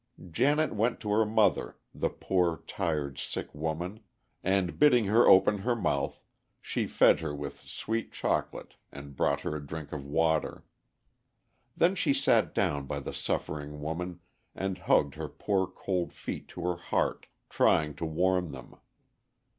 Janet went to her mother, the poor, tired, sick woman, and, bidding her open her mouth, she fed her with sweet chocolate and brought her a drink of water. Then she sat down by the suffering woman, and hugged her poor cold feet to her heart, trying to warm them.